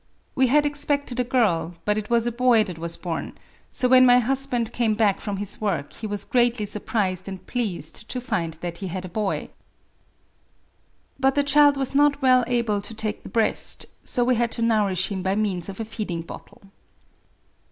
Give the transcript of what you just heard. — We had expected a girl, but it was a boy that was born ; so, when my husband came back from his work, he was greatly surprised and pleased to find that he had a boy. — But the child was not well able to take the breast : so we had to nourish him by means of a feeding bottle.